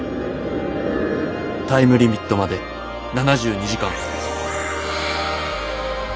タイムリミットまで７２時間。